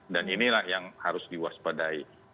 dan inilah yang harus diwaspadai